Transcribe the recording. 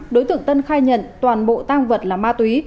đối tượng tân khai nhận toàn bộ tang vật là ma túy